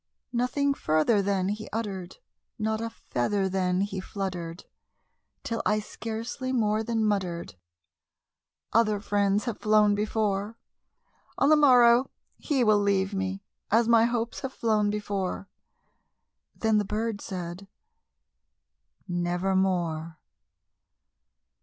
Nothing further then he uttered not a feather then he fluttered Till I scarcely more than muttered, "Other friends have flown before On the morrow he will leave me, as my hopes have flown before." Then the bird said, "Nevermore."